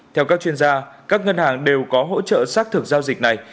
theo các chuyên gia các ngân hàng đều có hỗ trợ xác thực giao dịch này